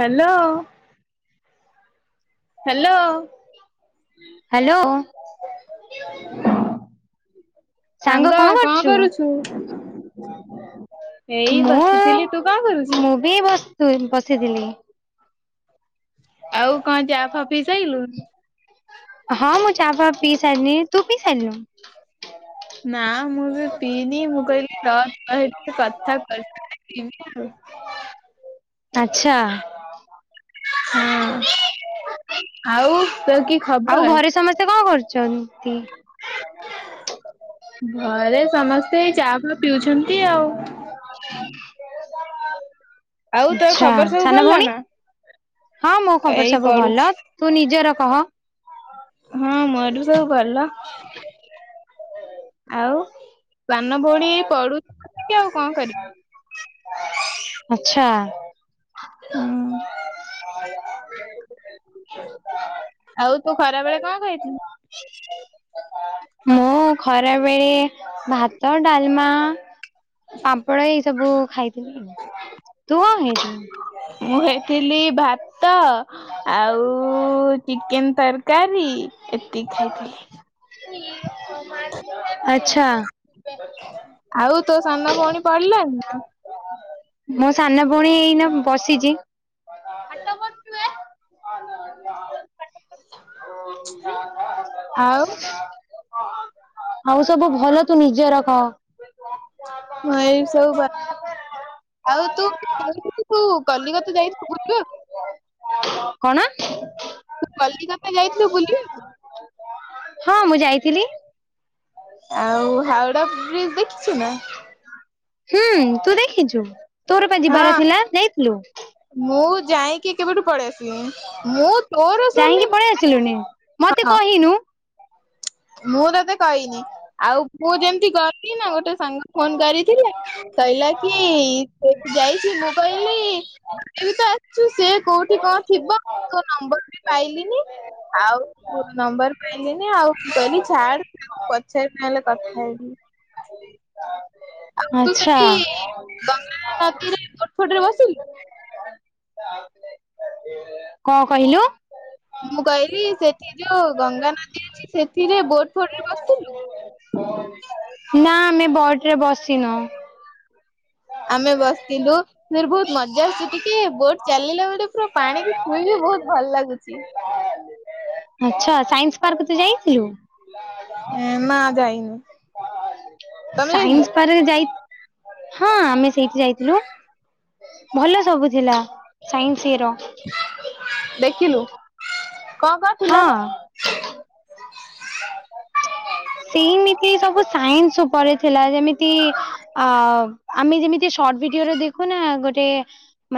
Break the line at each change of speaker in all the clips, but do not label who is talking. Hello. Hello.
Hello.
[unintelligible] ସାଙ୍ଗ କଣ କରୁଛୁ? ଏଇ ବସିଥିଲି ତୁ କାଣ କରୁଛୁ।
ସୁଇନି ବସିଥିଲି [unintelligible]
ଆଉ କଣ ଚା ଫା ପି ସାଇଲୁଣୁ?
ହଁ ମୁଁ ଚା ଫା ପି ସାଇଲିଣୀ ତୁ ପିଇ ସାଇଲୁଣି [unintelligible]
ନା ମୁଁ ବି ପିଇନି ମୁଁ କହିଲି ର ତୋ ସହ ଟିକେ କଥା କହିଲି [unintelligible] ଏ ପିଇବି ଆଉ [unintelligible]
ଆଚ୍ଛା।
ହଁ ଆଉ [unintelligible]
ଆଉ
ଖବର?
ଘରେ ସମସ୍ତେ କଣ କରୁଛନ୍ତି?
ଘରେ ସମସ୍ତେ ଚା ଫ ପିଉଛନ୍ତି। ନ୍ତି ଆଉ। ଆଉ ତୋର
ଆଛା
ଖବର ସବୁ
ସାନ
ଭଲ
ଭଉଣୀ?
ନା?
ହଁ ମୋ ଖବର
ଏଇ
ସବୁ
ପଡୁଛି।
ଭଲ ତୁ ନିଜର କହ।
ହଁ ମୋର ବି ସବୁ ଭଲ। ଆଉ ସାନ ଭଉଣୀ ପଡୁଛି ଆଉ ଟିକେ ଆଉ କଣ କରିବି?
ଆଛା।
ହୁଁ। ଆଉ ତୁ ଖରା ବେଳେ କଣ ଖାଇଛୁ?
ମୁଁ ଖରା ବେଳେ ଭାତ, ଡାଲମା ପାମ୍ପଡ଼ ଏଇ ସବୁ ଖାଇଥିଲି ତୁ କଣ ଖାଇଥିଲୁ?
ମୁଁ ଖାଇଥିଲି ଭାତ ଆଉ ଚିକେନ୍ ତରକାରୀ ଏତିକି ଖାଇଥିଲି।
[unintelligible] ଆଛା।
ଆଉ ତୋ ସାନ ଭଉଣୀ ପଢିଲାନି ନା।
ମୋ ସାନ ଭଉଣୀ ଏଇନା ବସିଛି। ଆଟମ
ଆଉ
ଆଉ ସବୁ ଭଲ ତୁ ନିଜେ ରଖ।
ମୁଁ ଏଇ ସବୁ ବା ଆଉ ତୁ ତୁ କଲିକତା ଯାଇଥିଲୁ ବୁଲିଲୁ?
କଣ?
ତୁ କଲିକତା ଯାଇଥିଲୁ ବୁଲି
ହଁ ମୁଁ ଯାଇଥିଲି।
ଆଉ ହାଓଡା ବ୍ରିଜ ଦେଖି
ହୁଁ ତୁ ଦେଖିଛୁ ତୋର ପା ଯିବାର
ହଁ
ଥିଲା ଯାଇଥିଲୁ?
ମୁଁ ଯାଇଁକି କେବେଠୁ ପଳେଇ ଆ ମୁଁ ତୋର
ଯାଇଁକି
ସରିଲ
ପଳେଇ
ମାନେ
ଆସିଲୁନି। ମତେ କହିନୁ
ମୁଁ ତତେ କହିନି ଆଉ ମୁଁ ଯେମିତି ଗଲି ନା ଗୋଟେ ସାଙ୍ଗ ଫୋନ କରିଥିଲା ସଇଲା କି ସେ ଯାଇଛି ମୁଁ କଇଲି ମତେ ବି ତ ଆସିଛୁ ସେ କୋଉଠି କଣ ଥିବ ତୋ ନମ୍ବର ବି ପାଇଲିନି। ଆଉ ଫୋନ ନମ୍ବର ପାଇଲିନି ଆଉ। କହିଲି ଛାଡ ତାକୁ ପଛର ନ ହେଲେ କଥା ହେଇ ଆଉ ତୁ
ଆଚ୍ଛା।
ସେଠି ଗଙ୍ଗା ନଦୀରେ ବୋଟ ଫୋଟ ରେ ବସିଲୁ?
କଣ କହିଲୁ?
ମୁଁ କହିଲି ସେଠି ଯୋଉ ଗଙ୍ଗାନଦୀ ଅଛି ସେଥିରେ ବୋଟ ଫୋଟ ରେ ବସିଲୁ?
ନା ଆମେ ବୋଟ ରେ ବସିନୁ।
ଆମେ ବସିଥିଲୁ ସେରେ ବହୁତ ମଜା ଆସୁଛି ଟିକେ ବୋଟ ଚାଲିଲା ବେଳେ ପୁରା ପାଣି ପୁରା ବହୁତ ଭଲ ଲାଗୁଛି।
ଆଛା ସାଇନ୍ସ ପାର୍କ ତୁ ଯାଇଥିଲୁ?
ଏ ନା ଯାଇନି।
ସାଇନ୍ସ ପାର୍କ ଯାଇ ହଁ ଆମେ ସେଇଠି ଯାଇଥିଲୁ। ଭଲ ସବୁ ଥିଲା ସାଇନ୍ସ ଇଏ ର।
ଦେଖିଲୁ? କଣ କଣ ଥିଲା ସ
ହଁ। ସେମିତି ସବୁ ସାଇନ୍ସ ଉପରେ ଥିଲା ଯେମିତି ଅ ଆମେ ଯେମିତି ସର୍ଟ ଭିଡିଓରେ ଦେଖୁନା ଗୋଟେ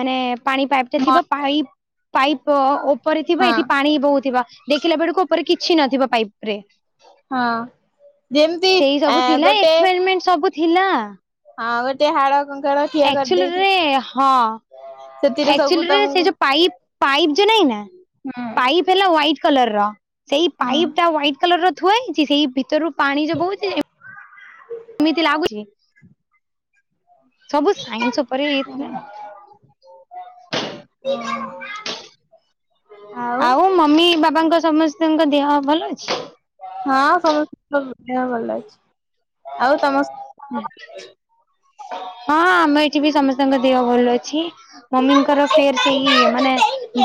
ମାନେ ପାଣି ପାଇପ
ହଁ
ଥିବ ପାଇପ ପାଇପ୍ ଉପରେ ଥିବ ଏଠି ପାଣି ବହୁ ଥିବ। ଦେଖିଲା ବେଳକୁ ଉପରେ କିଛି ନଥିବ ପାଇପ ରେ।
ହଁ। ଯେମିତି
ସେଇ
ଏ
ସବୁ ଥିଲା
ଗୋଟେ
ଏକ୍ସପେରିମେଣ୍ଟ ସବୁ ଥିଲା।
ହଁ ଗୋଟେ ହାଡ କଙ୍କାଳ ଠିଆ କରିଦେଇଛି
ଆକ୍ଚୁଲିରେ ହଁ
ସେଥିରେ ସବୁ
ଏକ୍ଚୁଲିରେ
ତମକୁ
ସେ
ହୁଁ
ଯୋଉ ପାଇପ ପାଇପ୍ ଯୋ ନାଇଁ ନା ପାଇପ୍ ହେଲା ହୁଆଇଟ କଲରର ସେଇ
ହୁଁ।
ପାଇପ୍ ଟା ହୁଆଇଟ କଲରର ଥୁଆହେଇଛି ସେଇ ଭିତରରୁ ପାଣି ଜୋ ବହୁଛି ଏମିତି ଲାଗୁଛି ସବୁ ସାଇନ୍ସ ଉପରେ ହେଇଥିଲା।
ଓହୋ।
ଆଉ ମମି ବାବାଙ୍କ ସମସ୍ତଙ୍କ ଦେହ ଭଲ ଅଛି।
ହଁ ସମସ୍ତଙ୍କ ଦେହ ଭଲ ଅଛି। ଆଉ ତମସମସ୍ତଙ୍କ ଭଲ ଅଛି?
ହଁ ଆମ ଏଠି ବି ସମସ୍ତଙ୍କ ଦେହ ଭଲ ଅଛି।
ହଁ
ମମିଙ୍କର ଫେର ସେଇ ମାନେ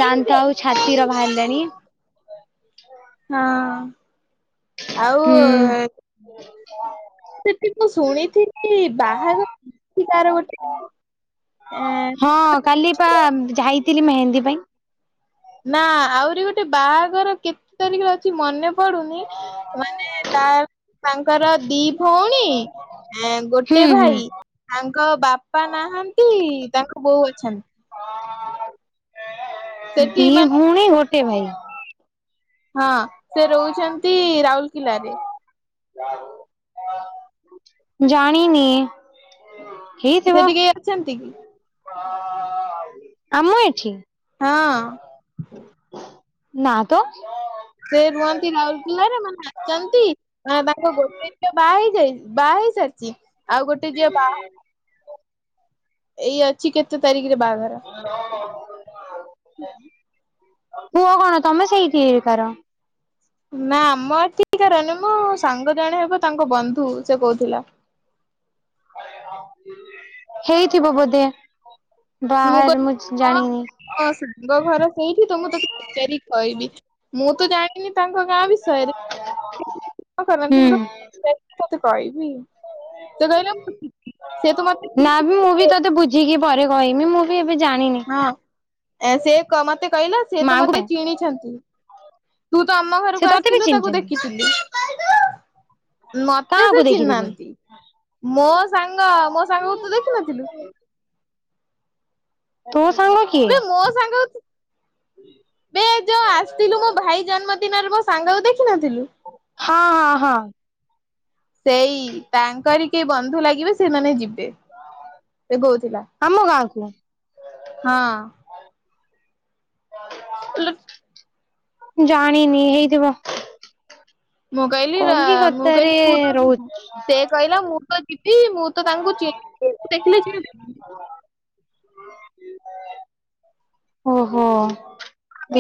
ଦାନ୍ତ ଆଉ ଛାତିର ବାହାରିଲାଣି।
ହଁ
ହୁଁ
ଆଉ ସେଠି ମୁଁ ଶୁଣିଥିଲି ବାହାଘର ସେଠି କାହାର ଗୋଟେ। ଏଁ
ହଁ କାଲି ପା ଯାଇଥିଲି ମେହେନ୍ଦୀ ପାଇଁ।
ନା ଆହୁରି ଗୋଟେ ବାହାଘର କେତେ ତାରିଖରେ ଅଛି ମନେ ପଡୁନି ମାନେ ତା ଙ୍କର ଦି ଭଉଣୀ
ହୁଁ
ଗୋଟେ
ହୁଁ
ଭାଇ। ତାଙ୍କ ବାପା ନାହାନ୍ତି ତାଙ୍କ ବୋଉ ଅଛନ୍ତି। ସେଠି
ଦି
ମାନେ
ଭଉଣୀ ଗୋଟେ ଭାଇ?
ହଁ ସେ ରହୁଛନ୍ତି ରାଉରକେଲାରେ।
ଜାଣିନିି
ସେ
ହେଇଥିବ।
ଟିକେ ଅଛନ୍ତି କି?
ଆମ ଏଠି?
ହଁ
ନା ତ।
ସେ ରୁହନ୍ତି ରାଉରକେଲାରେ ମାନେ ଆସନ୍ତି ତାଙ୍କ ଗୋଟେ ଝିଅ ବାହା ହେଇଯାଇଛି ବାହା ହେଇ ସାରିଛି ଆଉ ଗୋଟେ ଝିଅ ବାହା ଏଇ ଅଛି କେତେ ତାରିଖରେ ବାହାଘର।
ପୁଅ କଣ ତମେ ସେଇଠି କାର?
ନା ଆମ ଏଠି କାର ନୁହଁ। ମୋ ସାଙ୍ଗ ଜଣେ ହେବ ତାଙ୍କ ବନ୍ଧୁ ସେ କହୁଥିଲା।
ହେଇଥିବ ବୋଧେ ବାହାରୁ ମୁଁ ଜାଣିନି।
ହଁ ସାଙ୍ଗ ଘର ସେଇଠି ତ ମୁଁ ତୋତେ ପଚାରିକି କହିବି ମୁଁ ତ ଜାଣି ନି ତାଙ୍କ ଗାଁ ବିଷୟରେ ଯଦି କଲ
ହୁଁ
କରନ୍ତି ତାକୁ ପଚାରିକି ତତେ କହିବି। ସେ କହିଲା ମୁଁ ଯିବି ସେ ତ ମତେ ହଁ
ନା ବି ମୁଁ ବି ତତେ ବୁଝିକି ପରେ କହିମି ମୁଁ ବି ଏବେ ଜାଣିନି।
ହଁ ସେ ମତେ କହିଲା ସେ ତ
ମାଆଙ୍କୁ
ମତେ ଜିଣିଛନ୍ତି। ତୁ ତ ଆମ
ସେ
ଘରକୁ
ତତେ ବି
ଆସିଥିଲୁ ତାକୁ
ଚିହ୍ନିଛନ୍ତି
ଦେଖିଥିଲୁ। ମତେ ସେ
କାହାକୁ ଦେଖିଥିଲେ
ଚିହ୍ନିନାହାନ୍ତି। ମୋ ସାଙ୍ଗ ମୋ ସାଙ୍ଗକୁ ତୁ ଦେଖିନଥିଲୁ?
ତୋ ମୋ ସାଙ୍ଗ କି?
ମୋ ସାଙ୍ଗ ଏ ଯୋଉ ଆସିଥିଲୁ ମୋ ଭାଇ ଜନ୍ମଦିନରେ ମୋ ସାଙ୍ଗକୁ ଦେଖିନଥିଲୁ?
ହଁ ହଁ ହଁ
ସେଇ ତାଙ୍କରି କେହି ବନ୍ଧୁ ଲାଗିବେ ସେମାନେ ଯିବେ। ସେ କହୁଥିଲା।
ଆମ ଗାଁକୁ
ହଁ ଏଲୁପ
ଜାଣିନି ହେଇଥିବ।
ମୁଁ କଇଲି ରା ମୁଁ କଇଲି
କଲିକତାରେ
ତୁ ତ ଯିବୁ
ରହୁଛି
ସେ କହିଲା ମୁଁ ତ ଯିବି ମୁଁ ତ ତାଙ୍କୁ ଚିହ୍ନି ଦେଖେଲେ [unintelligible]
ଅହ।
[inaudible]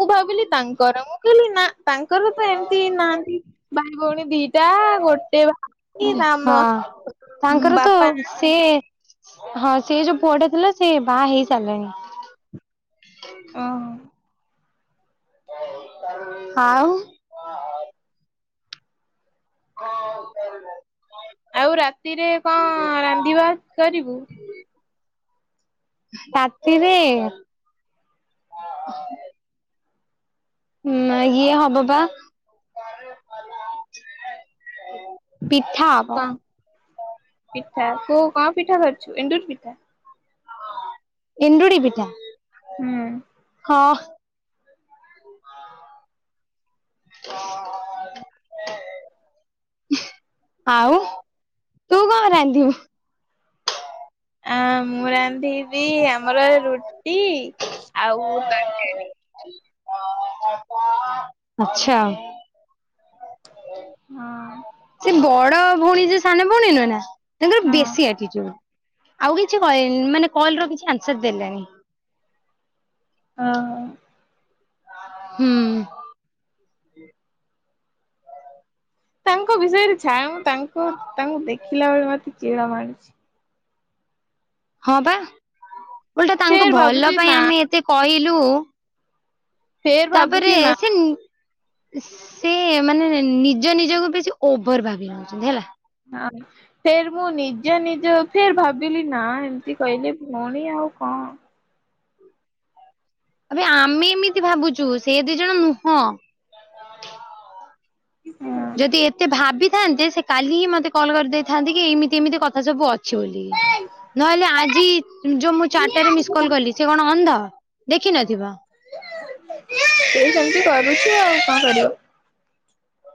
ମୁଁ ଭାବିଲି ତାଙ୍କର ମୁଁ କହିଲି ନା। ତାଙ୍କର ତ ଏମିତି ନାହାନ୍ତି ଭାଇ ଭଉଣୀ ଦିଟା ଗୋଟେ ବା
ହଁ ତାଙ୍କର ତ
ବାପା ନାହାନ୍ତି
ସିଏ ହଁ ସେ ଯୋଉ ପୁଅଟା ଥିଲା ସେ ବାହା ହେଇ ସାରିଲାଣି।
ଓହୋ
ଆଉ [unintelligible]
ଆଉ ରାତିରେ କଣ ରାନ୍ଧିବା କରିବୁ?
ରାତିରେ ହୁଁ ନା ଇଏ ହବ ପା ପିଠା ଆବ।
କଣ ପିଠା କୋଉ କ ପିଠା କରିଛୁ ଏଣ୍ଡୁରି ପିଠା।
ଏଣ୍ଡୁରୀ ପିଠା
ହୁଁ
ହଁ ଆଉ ତୁ କଣ ରାନ୍ଧିବୁ?
ଅଁ ମୁଁ ରାନ୍ଧିବି ଆମର ରୁଟି ଆଉ ତରକାରୀ।
ଆଚ୍ଛା ଆଉ।
ହଁ
ସେ ବଡ ଭଉଣୀ ସେ ସାନ ଭଉଣୀ ନୁହେଁ ନା ତାଙ୍କର
ହଁ
ବେଶୀ ଆଟିଟିଉଡୁ। ଆଉ କିଛି କହିଲେନି ମାନେ କଲ ର କିଛି ଆନ୍ସର ଦେଲେନି।
ହଁ
ହୁଁ
ତାଙ୍କ ବିଷୟରେ ଛାଡ଼ ତାଙ୍କୁ ତାଙ୍କୁ ଦେଖିଲାବେଳୁ ମତେ ଚିଡ଼ା ମାଡୁଚି।
ହଁ ପା ଓଲଟା ତାଙ୍କୁ
ଫେର
ଭଲ
ଭାବୁଛି
ପାଇଁ
ନା
ଆମେ ଏତେ କହିଲୁ
ଫେର
ତାପରେ
ଭାବୁଛି ନା
ସେ ନି ସେ ମାନେ ନିଜ ନିଜକୁ ବେଶୀ ଓଭର ଭାବି ନଉଛନ୍ତି ହେଲା।
ହଁ ଫେର ମୁଁ ନିଜ ନିଜ ଫେର ଭାବିଲି ନା ଏମତି କହିଲେ ଭୋଉଣୀ ଆଉ କ
ଆବେ ଆମେ ଏମିତି ଭାବୁଚୁ ସେ ଦି ଜଣ ନୁହଁ।
ହଁ।
ଯଦି ଏତେ ଭାବିଥାନ୍ତେ ସେ କାଲି ହିଁ ମତେ କଲ କରିଦେଇଥାନ୍ତେ କି ଏମିତି ଏମିତି କଥା ସବୁ ଅ ଛି ବୋଲି, ନହେଲେ ଆଜି ଯୋଉ ମୁଁ ଚାରିଟାରେ ମିସକଲ୍ କଲି ସେ କଣ ଅନ୍ଧ ଦେଖିନଥିବ।
ସିଏ ସେମିତି କରୁଛି ଆଉ କଣ କରିବୁ।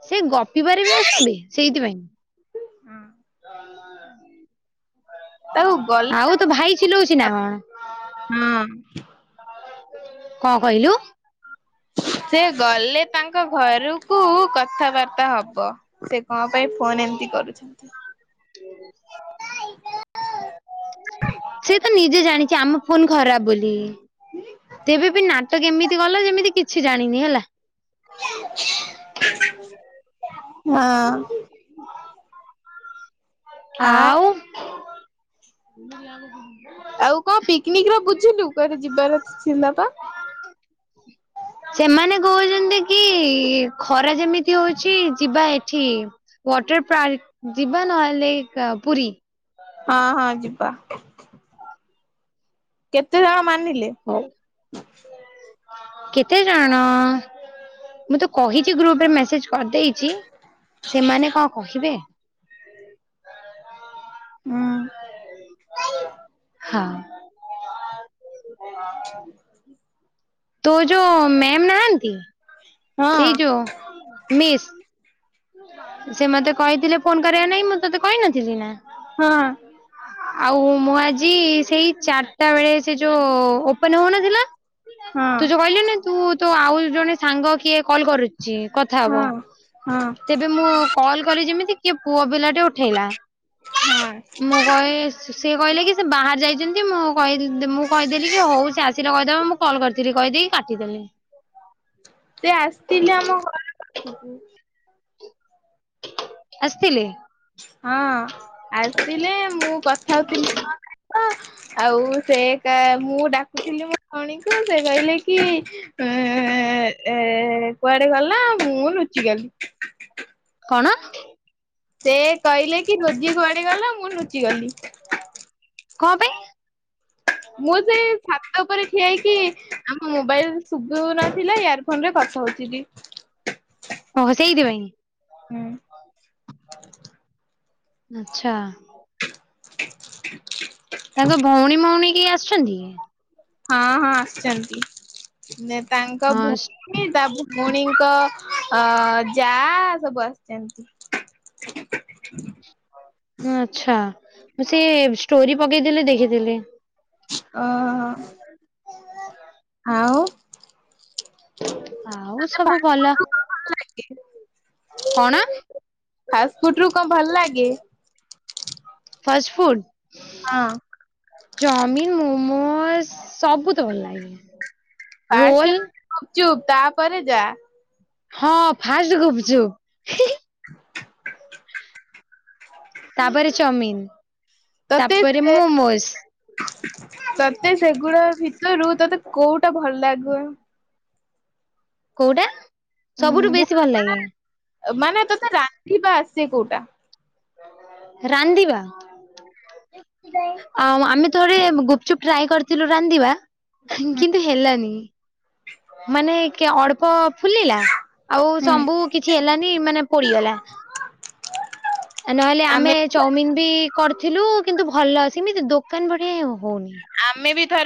ସେ ଗପିିବାର ବ୍ୟସ୍ତବେ ସେଇଥିପାଇଁ
ତାକୁ ଗଲେ
ଆଉ ତୋ ଭାଇ ଚିଲଉଛି ନା କଣ?
[unintelligible] ହଁ।
କଣ କହିଲୁ?
ସେ ଗଲେ ତାଙ୍କ ଘରକୁ କଥାବାର୍ତ୍ତା ହବ। ସେ କଣ ପାଇଁ ଫୋନ ଏମିତି କରୁଛନ୍ତି।
ସେ ତ ନିଜେ ଜାଣିଛି ଆମ ଫୋନ ଖରାପ ବୋଲି। ତେବେ ବି ନାଟକ ଏମିତି କଲା ଯେମିତି କିଛି ଜାଣିନି ହେଲା।
ହଁ
ଆଉ
ଆ ଆଉ କଣ ପିକନିକ ର ବୁଝିଲୁ କୁଆଡ଼େ ଯିବାର ଥିଲା ପା।
ସେମାନେ କହୁଛନ୍ତି କି ଖରା ଯେମିତି ହୋଉଚି ଯିବା ଏଠିକି ୱାଟର ପାର୍କ ଯିବା ନହେଲେ କ ପୁରୀ।
ହଁ ହଁ ଯିବା। କେତେ ଜଣ ମାନିଲେ?
ଓ କେତେ ଯଣ ମୁଁ ତ କହିଛି ଗ୍ରୁପ ରେ ମେସେଜ କରିଦେଇଛି ସେମାନେ କଣ କହିବେ
ହୁଁ।
ହଁ। ତୋ ଯୋଉ ମ୍ୟାମ୍ ନାହାନ୍ତି
ହଁ
ସେଇ ଯୋଉ ମିସ୍। ସେ ମତେ କହିଥିଲେ ଫୋନ କରିବା ନାଗି ମୁଁ ତତେ କହିନଥିଲି ନା?
ହଁ।
ଆଉ ମୁଁ ଆଜି ସେଇ ଚାର ତା ବେଳେ ସେ ଯୋଉ ଓପନ ହୋଉନଥିଲା ତୁ ଯୋଉ
ହଁ।
କହିଲୁନି ତୁ ତୋ ଆଉ ଜଣେ ସାଙ୍ଗ କିଏ କଲ୍ କରୁଛି କଥା ହବ।
ହଁ
ତେବେ ମୁଁ କଲ କଲି ଯେମିତି କିଏ ପୁଅ ପିଲା ଟେ ଉଠେଇଲା।
ହଁ
ମୁଁ କହ ସେ କହିଲେ କି ସେ ବାହାରେ ଯାଇଛନ୍ତି ମୁଁ କହି ମୁଁ କହିଦେଲି କି ହଉ ସେ ଆସିଲେ କହିଦେବେ ମୁଁ କଲ୍ କରିଥିଲି କହିଦେଇକି କାଟିଦେଲି।
ସେ ଆସିଥିଲେ ଆମ ଘ ପାଖକୁ।
ଆସିଥିଲେ?
ହଁ ଆସିଲେ ମୁଁ କଥା ହୋଉଥିଲି ଜଣଙ୍କ ସହିତ। ଆଉ ସେ କା ମୁଁ ଡାକୁଥିଲି ମୋ ବୋଉଣୀକୁ ସେ କହିଲେ କି ଉଁ ଏ କୁଆଡେ ଗଲା ମୁଁ ଲୁଚି ଗଲି।
କଣ?
ସେ କହିଲେ କି ରୋଜି କୁଆଡେ ଗଲା ମୁଁ ଲୁଚି ଗଲି।
କଣ ପାଇଁ?
ମୁଁ ସେ ଛାତ ଉପରେ ଠିଆ ହେଇକି ଆମ ମୋବାଇଲ ଶୁବୁ ନଥିଲା ଇୟାର ଫୋନ ରେ କଥା ହୋଥିଲି।
ଓହୋ ସେଇତି
ହୁଁ।
ପାଇଁ ଆଛା। ତାଙ୍କ ଭଉଣୀ ଭଉଣୀ କେହି ଆସୁଛନ୍ତି କି?
ହଁ ହଁ ଆସିଛନ୍ତି ତାଙ୍କ
ହଁ
ଭୋ
ସ-
ତା ଭଉଣୀଙ୍କ ଅ ଯା ସବୁ ଆସିଛନ୍ତି।
ହଁ ଆଛା ମୁଁ ସେ ଷ୍ଟୋରି ପକେଇଥିଲେ ଦେଖିଥିଲି।
ଓହୋ ଆଉ
ଆଉ ସବୁ ଭଲ କଣ?
ଫାଷ୍ଟ ଫୁଡ ରୁ କଣ ଭଲ ଲାଗେ?
Fast food.
ହଁ।
ଚାଉମିିନ ମୋମୋ ସବୁ ତ ଭଲ ଲାଗେ। ରୋଲ
ଫାଷ୍ଟ ଗୁଚୁପ ଚୁପ୍ ତାପରେ ଯା।
ହଁ ଫାଷ୍ଟ ଗୁପଚୁପ୍। ତାପରେ ଚାଉମିନ
ତତେ
ତାପରେ ମୁଁମୋଜ।
ତତେ ସେଗୁଡା ଭିତରୁ ତତେ କୋଉଟା ଭଲ ଲାଗୁ?
କୋଉଟା ସବୁଠୁ
ଉଁ
ବେଶୀ ଭଲ ଲାଗେ।
ମାନେ ତୋତେ ରାନ୍ଧିବା ଆସେ କୋଉଟା।
[unintelligible]
ହ। [unintelligible]
ଆଉ ଆମେ ଥରେ ଗୁପଚୁପ୍ ଟ୍ରାଏ କରିଥିଲୁ ରାନ୍ଧିବା। କିନ୍ତୁ ହେଲାନି ମାନେ କେ ଅଳ୍ପ ଫୁଲିଲା ଆଉ
ହୁଁ
ସବୁ କିଛି ହେଲାନି ମାନେ ପଡିଗଲା। ନହେଲେ ଆମେ ଚାଉମିିନ ବି କରିଥିଲୁ କିନ୍ତୁ ଭଲ ସେମିତି ଦୋକାନ ବଢିଆ ହଉନି।
ଆମେ ବି ଥରେ